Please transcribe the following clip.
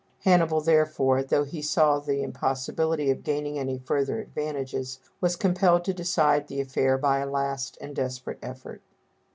Hannibal, therefore, though he saw the impossibility of gaining any further advantages, was compelled to decide the affair by a last and desperate effort.